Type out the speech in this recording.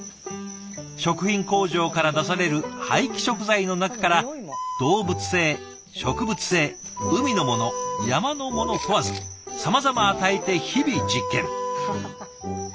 食品工場から出される廃棄食材の中から動物性植物性海のもの山のもの問わずさまざま与えて日々実験。